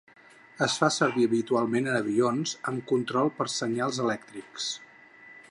Es fa servir habitualment en avions amb control per senyals elèctrics.